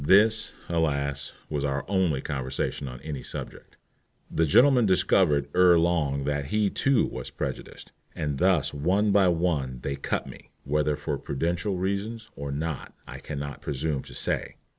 This, alas! was our only conversation on any subject. The gentleman discovered ere long that he too was prejudiced, and thus one by one they "cut" me, whether for prudential reasons or not I can not presume to say.